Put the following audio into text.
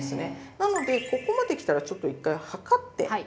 なのでここまできたらちょっと１回量って。